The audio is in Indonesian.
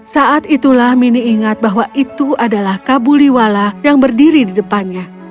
saat itulah mini ingat bahwa itu adalah kabuliwala yang berdiri di depannya